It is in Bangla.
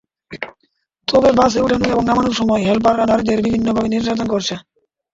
তবে বাসে ওঠানো এবং নামানোর সময় হেলপাররা নারীদের বিভিন্নভাবে নির্যাতন করছে।